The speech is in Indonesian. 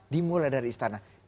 dimulai dari istana